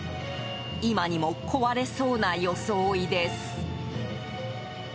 今にも壊れそうな装いです。